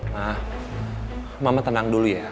nah mama tenang dulu ya